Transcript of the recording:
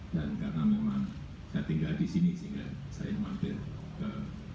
dan karena memang saya tinggal di sini sehingga saya memantir ke